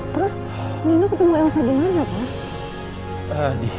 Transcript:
terus nino ketemu elsa gimana pak